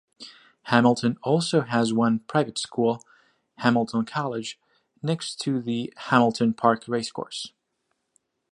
Hamilton also has one private school, Hamilton College, next to the Hamilton Park Racecourse.